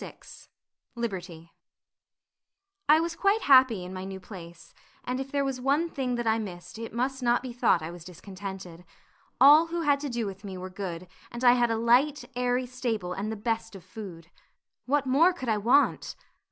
06 Liberty I was quite happy in my new place, and if there was one thing that I missed it must not be thought I was discontented; all who had to do with me were good and I had a light airy stable and the best of food. What more could I want?